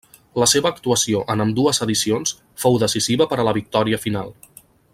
La seva actuació en ambdues edicions fou decisiva per a la victòria final.